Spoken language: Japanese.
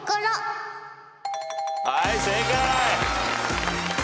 はい正解。